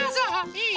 いい？